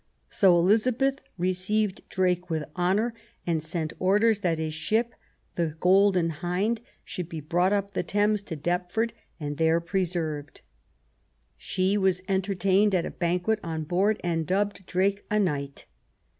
So Elizabeth received Drake with honour, and sent orders that his . ship, the Golden Hind, should be brought up the Thames to Deptford and there preserved. She was entertained at a banquet on board, and dubbed Drake a knight.